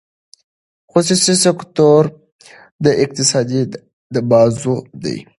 خصوصي سکتور د اقتصاد بازو دی.